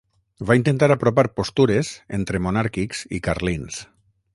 Va intentar apropar postures entre monàrquics i carlins.